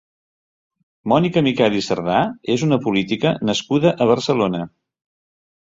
Mònica Miquel i Serdà és una política nascuda a Barcelona.